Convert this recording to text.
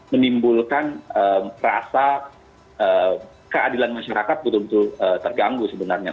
menimbulkan rasa keadilan masyarakat betul betul terganggu sebenarnya